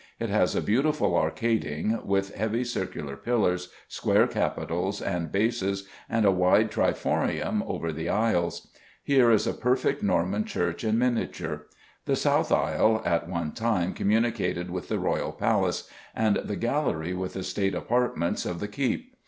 It has a beautiful arcading, with heavy circular pillars, square capitals and bases, and a wide triforium over the aisles. Here is a perfect Norman church in miniature. The south aisle at one time communicated with the royal palace, and the gallery with the State apartments of the keep.